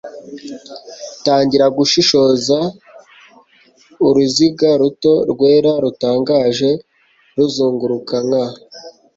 tangira gushishoza uruziga ruto rwera rutangaje ruzunguruka nka